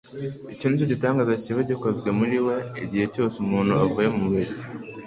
icyo ni igitangaza kiba gikozwe muri we; igihe cyose umuntu avuye mu bibi,